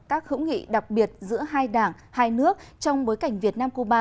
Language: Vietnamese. các hữu nghị đặc biệt giữa hai đảng hai nước trong bối cảnh việt nam cuba